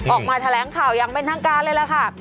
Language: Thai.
ออกมาแถลงข่าวยังไม่ทักการณ์เลยละค่ะ